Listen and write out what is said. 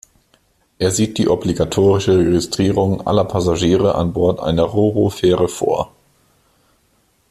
Er sieht die obligatorische Registrierung aller Passagiere an Bord einer Ro-Ro-Fähre vor.